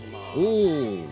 おお。